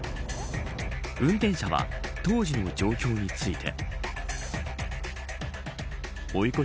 運転者は当時の状況について。